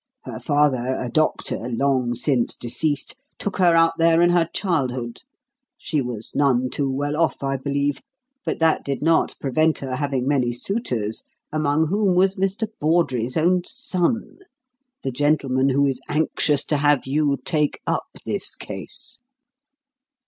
Her father, a doctor, long since deceased, took her out there in her childhood. She was none too well off, I believe; but that did not prevent her having many suitors, among whom was Mr. Bawdrey's own son, the gentleman who is anxious to have you take up this case."